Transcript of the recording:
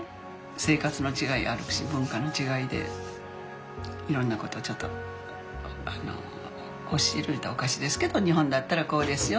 生活の違いあるし文化の違いでいろんなことをちょっと教える言うたらおかしいですけど「日本だったらこうですよ。